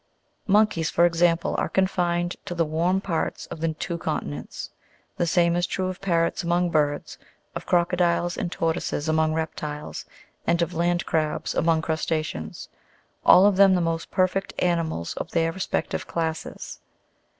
Monkeys, for example, are confined to the warm parts of the two continents ; the same is true of parrots among birds, of croco diles and tortoises among reptiles, and of land crabs among crus ta'ceans, all of them the most perfect animals of their respective classes.